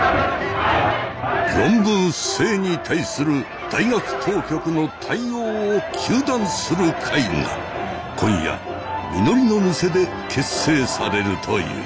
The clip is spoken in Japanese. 論文不正に対する大学当局の対応を糾弾する会が今夜みのりの店で結成されるという。